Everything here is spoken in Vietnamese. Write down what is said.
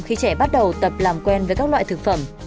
khi trẻ bắt đầu tập làm quen với các loại thực phẩm